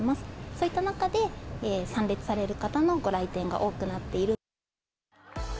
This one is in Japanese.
そういった中で、参列される方のご来店が多くなっている。